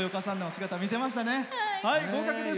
合格です。